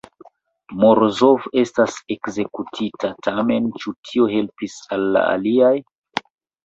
Morozov estas ekzekutita, tamen ĉu tio helpis al la aliaj?